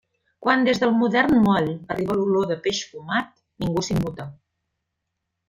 Quan des del modern moll arriba l'olor de peix fumat, ningú s'immuta.